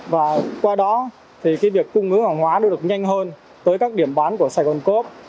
và qua đó việc cung ứng hàng hóa được nhanh hơn tới các điểm bán của sài gòn co op